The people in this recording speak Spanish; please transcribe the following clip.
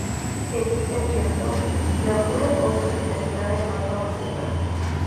En Villa Gesell le ocurren cosas que terminarán en una nueva fuga.